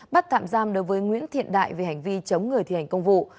bắt tạm giam đối với nguyễn thiện đại về hành vi chống người thi hành công vụ